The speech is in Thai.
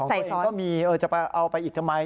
ของเขาเองก็มีจะเอาไปอีกทำไม